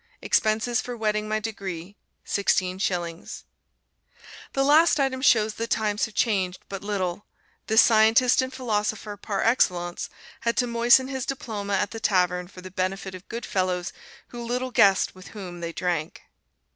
"Expenses for wetting my degree, sixteen shillings." The last item shows that times have changed but little: this scientist and philosopher par excellence had to moisten his diploma at the tavern for the benefit of good fellows who little guessed with whom they drank.